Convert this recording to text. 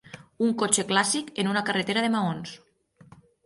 Un cotxe clàssic en una carretera de maons